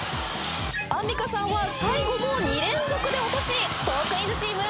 ［アンミカさんは最後も２連続で落としトークィーンズチーム